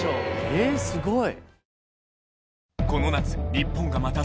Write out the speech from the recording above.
えっすごい。